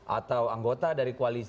atau anggota dari kualitas